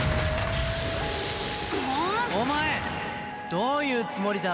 お前どういうつもりだ？